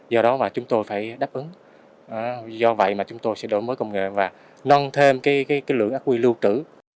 do đó mà chúng tôi phải đáp ứng do vậy mà chúng tôi sẽ đổi mới công nghệ và nâng thêm lượng ác quy lưu trữ